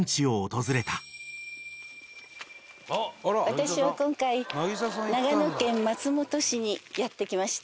私は今回長野県松本市にやって来ました。